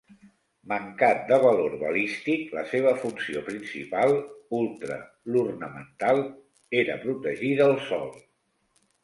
Mancat de valor balístic, la seva funció principal --ultra l'ornamental-- era protegir del sol.